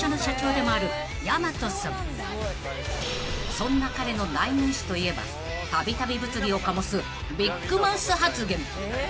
［そんな彼の代名詞といえばたびたび物議を醸すビッグマウス発言］